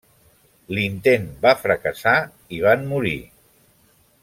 L'intent va fracassar i van morir.